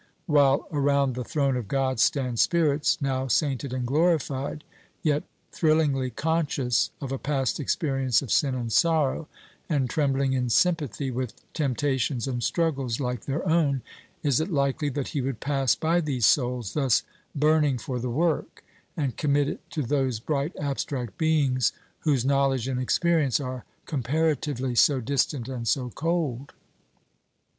While around the throne of God stand spirits, now sainted and glorified, yet thrillingly conscious of a past experience of sin and sorrow, and trembling in sympathy with temptations and struggles like their own, is it likely that he would pass by these souls, thus burning for the work, and commit it to those bright abstract beings whose knowledge and experience are comparatively so distant and so cold?